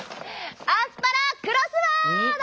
アスパラクロスワード！